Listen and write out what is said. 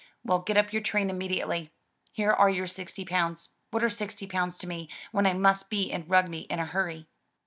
"Well, get up your train immediately. Here are your sixty pounds. What are sixty pounds to me, when I must be in Rugby in a hurry?